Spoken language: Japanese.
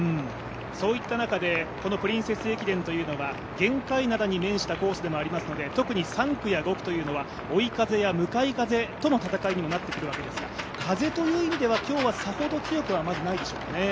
そういった中でプリンセス駅伝というのは玄界灘に面したコースでもありますので特に３区や５区というのは追い風や向かい風との戦いにもなってきますが風という意味ではさほど今日は強くないでしょうかね。